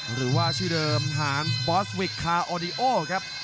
หรือว่าชื่อเดิมหารบอสวิกคาโอดิโอครับ